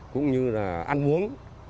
cũng như là ăn uống